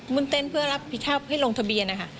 มุ่นเต้นเพื่อรับผิดทรัพย์ให้ลงทะเบียน